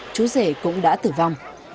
chú rể cũng đã tử vong